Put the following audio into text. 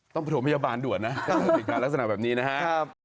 ต้องไปถูกพยาบาลด่วนนะถ้าเป็นเด็กนานลักษณะแบบนี้นะครับ